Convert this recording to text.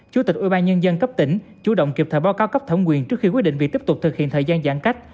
chủ tịch ubnd cấp tỉnh chủ động kịp thời báo cáo cấp thẩm quyền trước khi quyết định việc tiếp tục thực hiện thời gian giãn cách